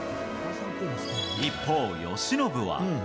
一方、由伸は。